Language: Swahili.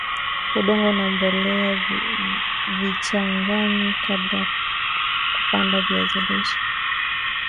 udongo na mbolea vichanganywe kabla kupanda viazi lishe